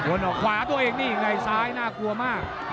ออกขวาตัวเองนี่ไงซ้ายน่ากลัวมาก